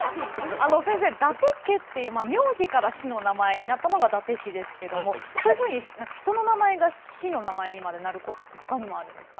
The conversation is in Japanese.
先生伊達家っていう名字から市のお名前になったのが伊達市ですけどもそういうふうに人の名前が市の名前にまでなることってほかにもあるんですか？